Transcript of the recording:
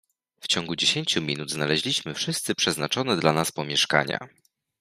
"W ciągu dziesięciu minut znaleźliśmy wszyscy przeznaczone dla nas pomieszkania."